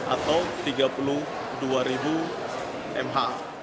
atau tiga puluh dua ribu mh